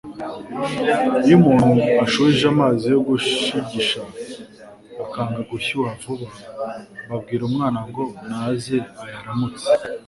Iyo umuntu ashuhije amazi yo gushigisha, akanga gushyuha vuba, babwira umwana ngo naze ayaramutse